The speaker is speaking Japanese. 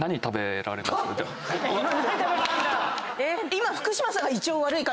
今。